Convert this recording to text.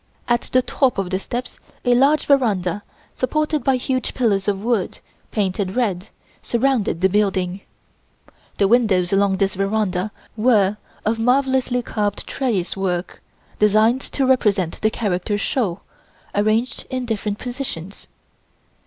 At the top of the steps a large veranda, supported by huge pillars of wood, painted red, surrounded the building. The windows along this verandah were of marvellously carved trellis work, designed to represent the character "Shou" arranged in different positions.